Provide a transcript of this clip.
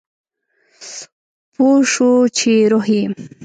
پوه شو چې روح یې